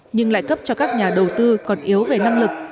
nhưng lại cấp cho các nhà đầu tư còn yếu về năng lực